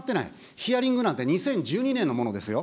ヒアリングなんて２０１２年のものですよ。